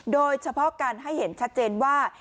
โดยเฉพาะการให้เห็นชัดเจนว่า